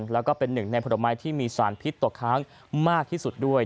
แล้วก็เป็นหนึ่งในผลไม้ที่มีสารพิษตกค้างมากที่สุดด้วย